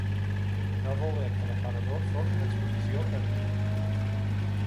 Va voler que l'aparador fos una exposició permanent.